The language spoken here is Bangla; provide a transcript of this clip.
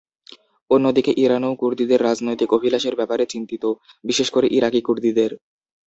অন্যদিকে ইরানও কুর্দিদের রাজনৈতিক অভিলাষের ব্যাপারে চিন্তিত, বিশেষ করে ইরাকি কুর্দিদের।